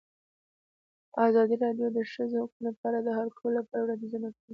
ازادي راډیو د د ښځو حقونه په اړه د حل کولو لپاره وړاندیزونه کړي.